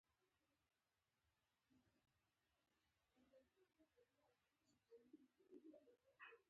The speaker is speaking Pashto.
دولسم ئې د جهانزيب کالج نه اوکړو